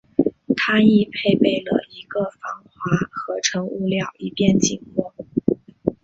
它亦配备了一个防滑合成物料以便紧握。